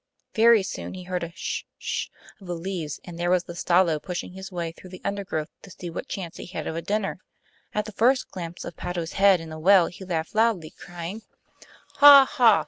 Very soon he heard a 'sh 'sh of the leaves, and there was the Stalo pushing his way through the undergrowth to see what chance he had of a dinner. At the first glimpse of Patto's head in the well he laughed loudly, crying: 'Ha! ha!